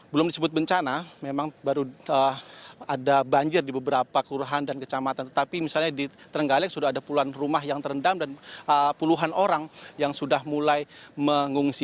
belum disebut bencana memang baru ada banjir di beberapa kelurahan dan kecamatan tetapi misalnya di terenggalek sudah ada puluhan rumah yang terendam dan puluhan orang yang sudah mulai mengungsi